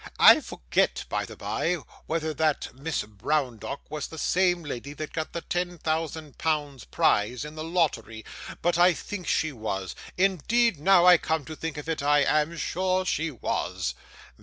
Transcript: I forget, by the bye, whether that Miss Browndock was the same lady that got the ten thousand pounds prize in the lottery, but I think she was; indeed, now I come to think of it, I am sure she was.